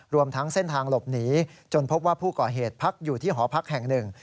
รวมทั้งเส้นทางหลบหนีจนพบว่าผู้ก่อเหตุพักอยู่ที่หอพักแห่งหนึ่ง